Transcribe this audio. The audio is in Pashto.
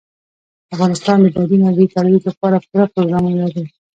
افغانستان د بادي انرژي د ترویج لپاره پوره پروګرامونه لري.